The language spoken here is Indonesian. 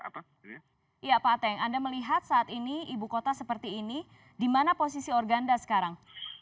iya pak ateng anda melihat saat ini ibu kota seperti ini di mana posisi organda sekarang